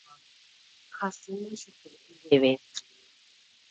Hasýma chupe iveve.